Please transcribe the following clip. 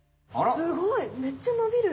すごい！